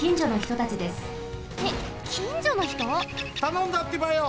たのんだってばよ！